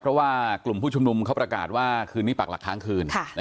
เพราะว่ากลุ่มผู้ชุมนุมเขาประกาศว่าคืนนี้ปากหลักค้างคืน